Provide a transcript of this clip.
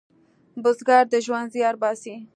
بزګر د ژوند زیار باسي